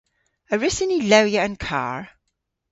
A wrussyn ni lewya an karr?